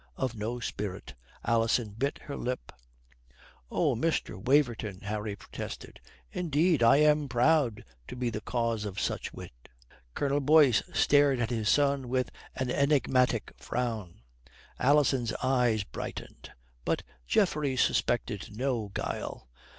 of no spirit." Alison bit her lip. "Oh, Mr. Waverton," Harry protested, "indeed, I am proud to be the cause of such wit." Colonel Boyce stared at his son with an enigmatic frown. Alison's eyes brightened. But Geoffrey suspected no guile.